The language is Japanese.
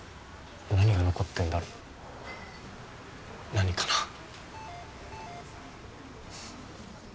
何が残ってんだろう何かな？